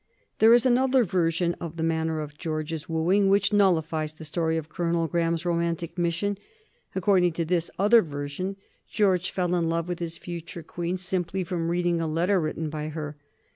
There is another version of the manner of George's wooing which nullifies the story of Colonel Graeme's romantic mission. According to this other version George fell in love with his future queen simply from reading a letter written by her.